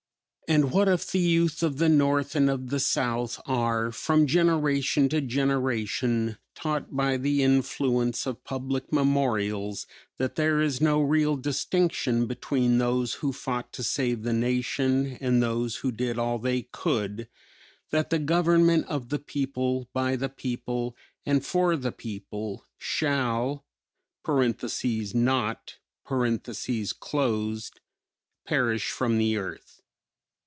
And what if the youth of the North and of the South are, from generation to generation, taught by the influence of public memorials that there is no real distinction between those who fought to save the Nation and those who did all they could "that the government of the people, by the people, and for the people, shall (not) perish from the earth."